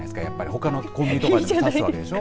他のコンビニとかでも差すわけでしょ。